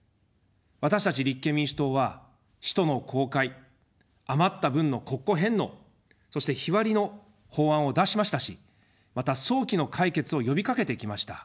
私たち立憲民主党は使途の公開、余った分の国庫返納、そして日割りの法案を出しましたし、また早期の解決を呼びかけてきました。